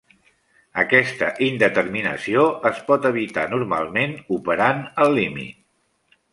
Aquesta indeterminació es pot evitar, normalment, operant al límit.